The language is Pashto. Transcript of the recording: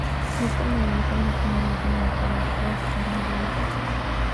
نورستان د افغانستان د اقلیمي نظام یو خورا ښه ښکارندوی دی.